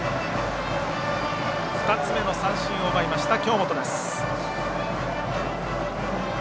２つ目の三振を奪いました京本。